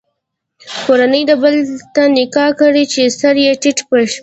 کورنۍ دې بل ته نکاح کړي چې سر یې پټ شي.